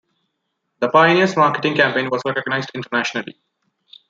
The Pioneers marketing campaign was recognized internationally.